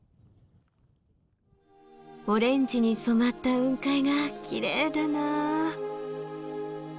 オレンジに染まった雲海がきれいだなあ。